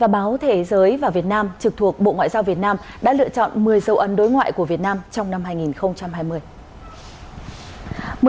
báo thế giới và việt nam trực thuộc bộ ngoại giao việt nam đã lựa chọn một mươi dấu ấn đối ngoại của việt nam trong năm hai nghìn hai mươi